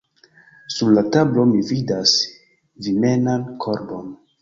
Sur la tablo mi vidas vimenan korbon.